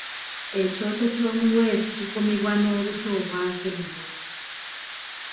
Ekyoto ky’omuweesi kikumibwa n’obuti obwaka ennyo.